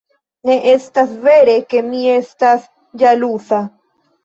Ne estas vere, ke mi estas ĵaluza.